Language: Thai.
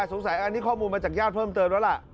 อันนี้ข้อมูลมาจากญาติเพิ่มเติมแล้วล่ะ